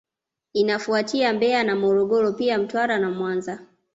Inafuatia Mbeya na Morogoro pia Mtwara na Mwanza